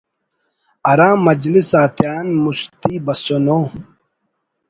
ہرا مجلس آتیان مستی بسنو